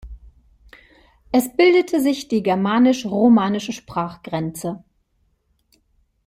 Es bildete sich die germanisch-romanische Sprachgrenze.